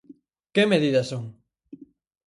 Que medidas son?